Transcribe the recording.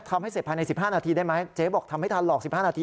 ทำให้เสร็จภายใน๑๕นาทีได้ไหมเจ๊บอกทำไม่ทันหรอก๑๕นาที